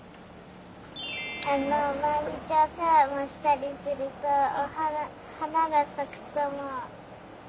あのまいにちおせわをしたりするとはながさくとおもう。